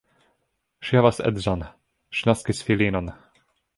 Ŝi havas edzon, ŝi naskis filinon.